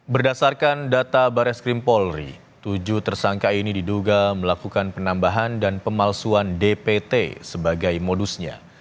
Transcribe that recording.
berdasarkan data bares krim polri tujuh tersangka ini diduga melakukan penambahan dan pemalsuan dpt sebagai modusnya